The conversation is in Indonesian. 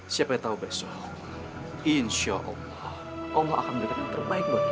siapa yang tahu besok insyaallah allah akan mendapatkan yang terbaik buat kita